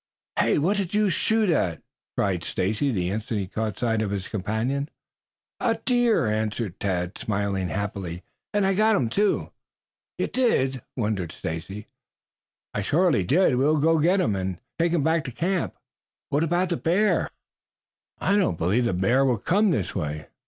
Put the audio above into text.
"Hey, what did you shoot at?" cried Stacy the instant he caught sight of his companion. "At a deer," answered Tad, smiling happily, "and I got him, too." "You did?" wondered Stacy. "I surely did. We will go get him and take him back to camp." "What about the bear?" "I don't believe the bear will come this way.